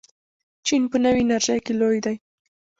چین په نوې انرژۍ کې لوی دی.